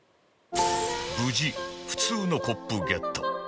無事普通のコップゲット